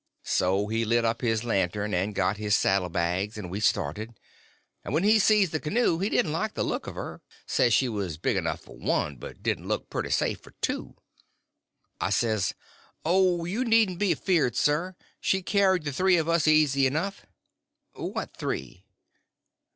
So he lit up his lantern, and got his saddle bags, and we started. But when he sees the canoe he didn't like the look of her—said she was big enough for one, but didn't look pretty safe for two. I says: "Oh, you needn't be afeard, sir, she carried the three of us easy enough." "What three?"